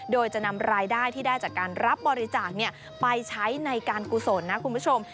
โดยจะนำรายได้ที่ได้จากการรับบริจาคไปใช้ในการกุศลนะคุณผู้ชม